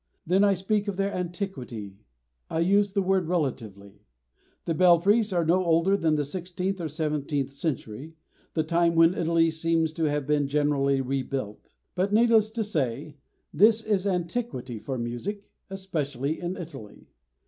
Then I speak of their antiquity I use the word relatively. The belfries are no older than the sixteenth or seventeenth century, the time when Italy seems to have been generally rebuilt. But, needless to say, this is antiquity for music, especially in Italy.